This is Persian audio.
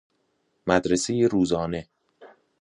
مدرسه روزانه